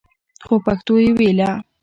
خو پښتو يې ويله.